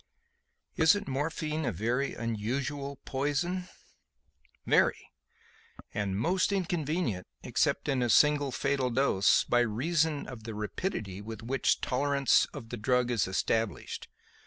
"Isn't morphine a very unusual poison?" "Very; and most inconvenient except in a single, fatal dose, by reason of the rapidity with which tolerance of the drug is established.